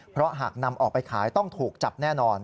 เพราะหากนำออกไปขายต้องถูกจับแน่นอน